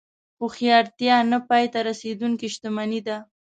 هوښیارتیا نه پای ته رسېدونکې شتمني ده.